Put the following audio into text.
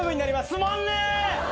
つまんねえ！